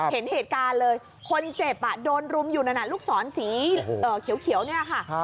เห็นเหตุการณ์เลยคนเจ็บโดนรุมอยู่นั่นลูกศรสีเขียวเนี่ยค่ะ